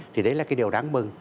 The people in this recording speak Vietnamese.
thì đấy là cái điều đáng mừng